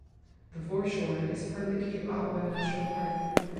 The foreshore is part of the Cape Otway National park.